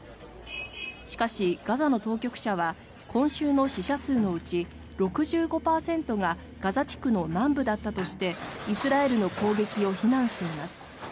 しかし、ガザの当局者は今週の死者数のうち６５％がガザ地区の南部だったとしてイスラエルの攻撃を非難しています。